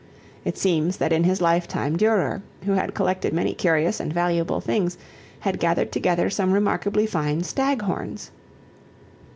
It seems that in his lifetime Durer, who had collected many curious and valuable things, had gathered together some remarkably fine stag horns.